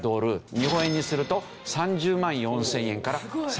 日本円にすると３０万４０００円から３８万円。